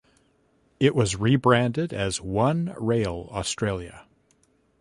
It was rebranded as "One Rail Australia".